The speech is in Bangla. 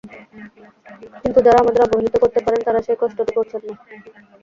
কিন্তু যাঁরা আমাদের অবহিত করতে পারেন, তাঁরা সেই কষ্টটি করছেন না।